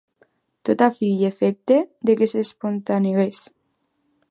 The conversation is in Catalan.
Tot a fi i efecte de que s'espontanegés.